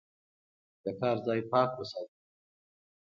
د کار ځای پاک وساتئ.